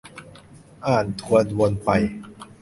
อ่านทวนวนไป